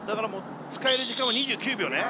使える時間は２９秒ね